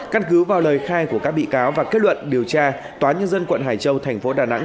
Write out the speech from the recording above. căn cứ vào lời khai của các bị cáo và kết luận điều tra tòa nhân dân quận hải châu thành phố đà nẵng